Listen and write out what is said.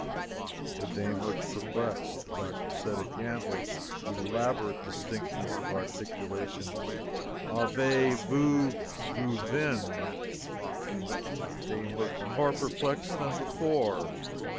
The dame looked perplexed. The doctor said again, with elaborate distinctness of articulation: "Avez vous du vin!" The dame looked more perplexed than before.